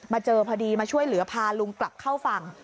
เจอพอดีมาช่วยเหลือพาลุงกลับเข้าฝั่ง